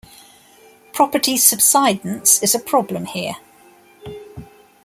Property subsidence is a problem here.